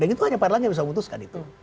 itu hanya pak air langga yang bisa memutuskan itu